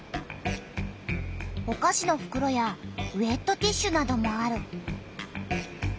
おかしのふくろやウエットティッシュなどもある。